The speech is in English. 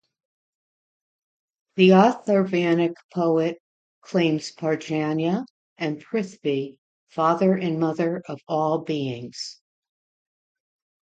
The Atharvanic poet claims Parjanya and Prithvi father and mother of all beings.